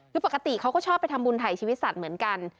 คือปกติเขาก็ชอบไปทำบุญถ่ายชีวิตสัตว์เหมือนกัน